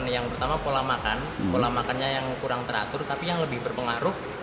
yang pertama pola makan pola makannya yang kurang teratur tapi yang lebih berpengaruh